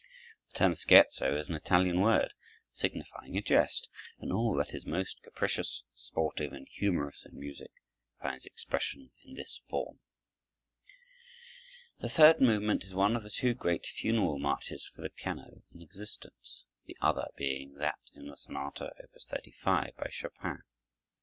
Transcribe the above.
The term scherzo is an Italian word, signifying a jest, and all that is most capricious, sportive, and humorous in music finds expression in this form. The third movement is one of the two great funeral marches for the piano in existence, the other being that in the sonata, Op. 35, by Chopin.